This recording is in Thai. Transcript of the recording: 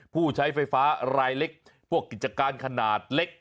ผู้ใช้ไฟฟ้ารายเล็กพวกกิจการขนาดเล็ก